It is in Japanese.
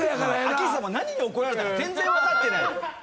あきひさも何に怒られたか全然分かってない。